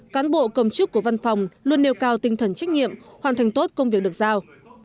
cán bộ công chức của văn phòng luôn nêu cao tinh thần trách nhiệm hoàn thành tốt công việc được giao